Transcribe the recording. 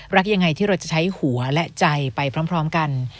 รักอย่างไรที่เราจะใช้หัวและใจไปพร้อมพร้อมกัน